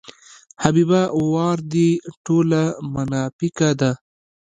حبیبه ورا دې ټوله مناپیکه ده.